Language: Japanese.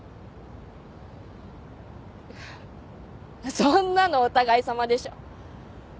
そんなのお互いさまでしょ。